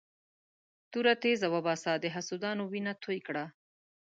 توره تېزه وباسه د حسودانو وینه توی کړه.